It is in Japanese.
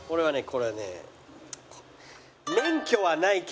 これはね。